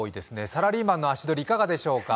サラリーマンの足取りいかがでしょうか？